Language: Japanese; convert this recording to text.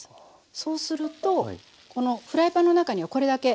そうするとこのフライパンの中にはこれだけ汁が残ってますので。